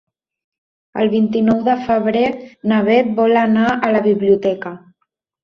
El vint-i-nou de febrer na Beth vol anar a la biblioteca.